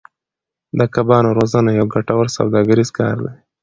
د کبانو روزنه یو ګټور سوداګریز کار دی.